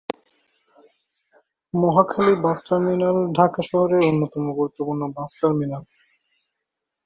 Mohakhali bus terminal Dhaka শহরের অন্যতম গুরুত্বপূর্ণ বাস টার্মিনাল।